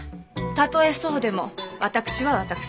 たとえそうでも私は私。